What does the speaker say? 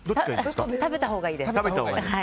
食べたほうがいいです。